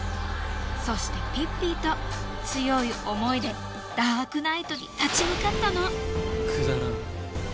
そしてぴっぴぃと強い思いでダークナイトに立ち向かったのくだらん。